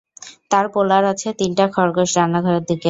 তার পোলার আছে তিনটা খরগোশ রান্নাঘরে থাকে।